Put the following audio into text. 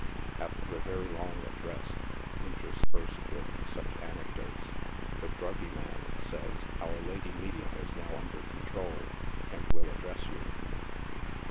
xVfter a very long address, interspersed with such anecdotes, the druggy man says :" The lady medium is now under control, and will address you."